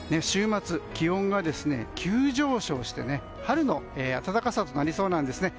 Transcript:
週末、気温が急上昇して春の暖かさとなりそうです。